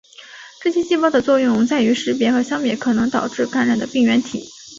这些细胞的作用在于识别和消灭可能导致感染的病原体。